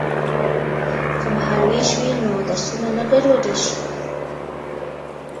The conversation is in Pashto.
که مهال ویش وي نو درسونه نه ګډوډیږي.